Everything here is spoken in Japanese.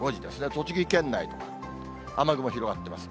栃木県内とか、雨雲広がってます。